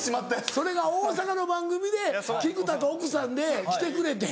それが大阪の番組で菊田と奥さんで来てくれて。